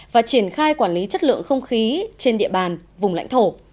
và triển khai quản lý chất lượng không khí trên địa bàn vùng lãnh thổ